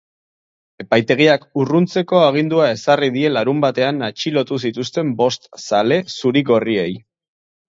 Epaitegiak urruntzeko agindua ezarri die larunbatean atxilotu zituzten bost zale zuri-gorriei.